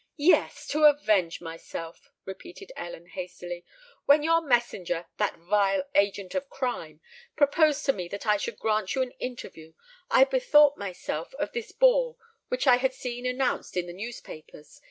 "Yes—to avenge myself," repeated Ellen hastily. "When your messenger—that vile agent of crime—proposed to me that I should grant you an interview, I bethought myself of this ball which I had seen announced in the newspapers.